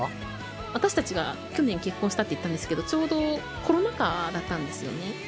私たちが去年結婚したって言ったんですけどちょうどコロナ禍だったんですよね。